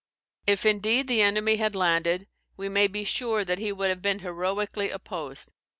If indeed the enemy had landed, we may be sure that he would have been heroically opposed.